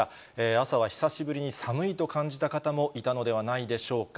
朝は久しぶりに寒いと感じた方もいたのではないでしょうか。